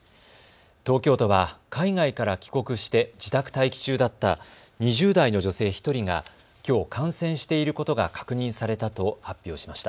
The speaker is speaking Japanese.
東京都は海外から帰国して自宅待機中だった２０代の女性１人がきょう感染していることが確認されたと発表しました。